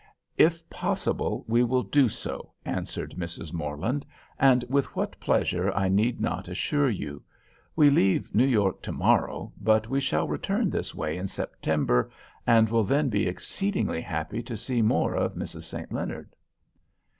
"If possible we will do so," answered Mrs. Morland, "and with what pleasure I need not assure you. We leave New York to morrow, but we shall return this way in September, and will then be exceedingly happy to see more of Mrs. St. Leonard."